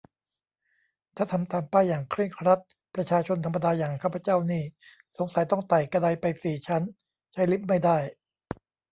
ถ้าทำตามป้ายอย่างเคร่งครัด ประชาชนธรรมดาอย่างข้าพเจ้านี่สงสัยต้องไต่กะไดไปสี่ชั้น ใช้ลิฟต์ไม่ได้